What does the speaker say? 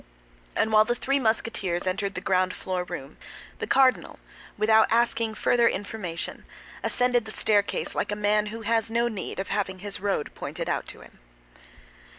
And while the three Musketeers entered the ground floor room, the cardinal, without asking further information, ascended the staircase like a man who has no need of having his road pointed out to him.